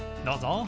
どうぞ。